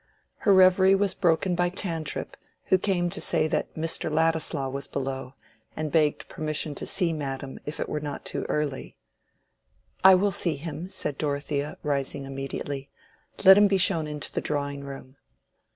Her reverie was broken by Tantripp, who came to say that Mr. Ladislaw was below, and begged permission to see Madam if it were not too early. "I will see him," said Dorothea, rising immediately. "Let him be shown into the drawing room."